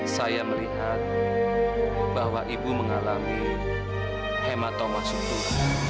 saya melihat bahwa ibu mengalami hematoma sublural